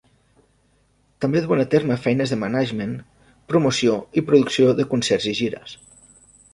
També duen a terme feines de management, promoció i producció de concerts i gires.